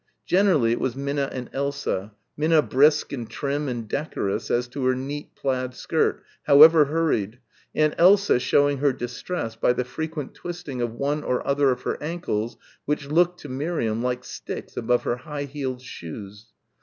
Generally it was Minna and Elsa, Minna brisk and trim and decorous as to her neat plaid skirt, however hurried, and Elsa showing her distress by the frequent twisting of one or other of her ankles which looked, to Miriam, like sticks above her high heeled shoes.